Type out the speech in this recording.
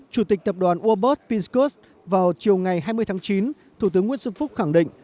chủ tịch tập đoàn urbert pingscos vào chiều ngày hai mươi tháng chín thủ tướng nguyễn xuân phúc khẳng định